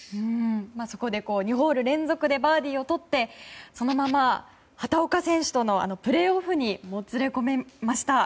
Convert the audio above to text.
そこで２ホール連続でバーディーをとってそのまま畑岡選手とのプレーオフにもつれ込みました。